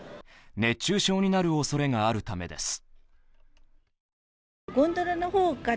熱中症になるおそれがあるためです。